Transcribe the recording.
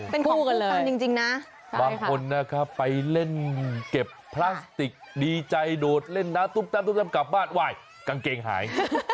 เป็นคู่กันเลยตันจริงนะบางคนนะครับไปเล่นเก็บพลาสติกดีใจโดดเล่นนะตุ๊บตับตุ๊บตับกลับบ้านไหว้กางเกงหาย